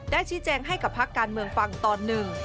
ชี้แจงให้กับภาคการเมืองฟังตอนหนึ่ง